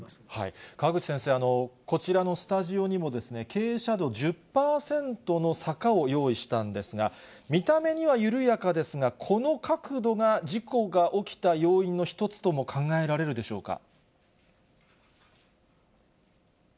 川口先生、こちらのスタジオにも、傾斜度１０％の坂を用意したんですが、見た目には緩やかですが、この角度が事故が起きた要因の一つとも考えられるでしょうか。